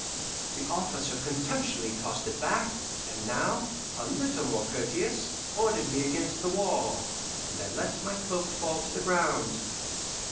The officer contemptuously tossed it back, and now, a little more courteous, ordered me against the wall, and I let my cloak fall to the ground.